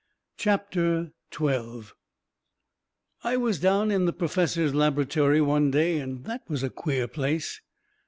CHAPTER XII I was down in the perfessor's labertory one day, and that was a queer place.